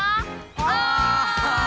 お！